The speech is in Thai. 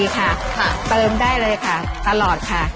ค่ะเติมได้เลยค่ะตลอดค่ะ